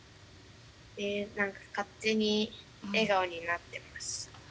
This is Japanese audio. なんか勝手に笑顔になってます。